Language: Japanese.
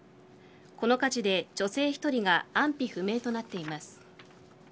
この火事で女性１人が安否不明となっています。